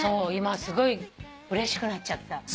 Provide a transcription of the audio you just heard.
今すごいうれしくなっちゃった。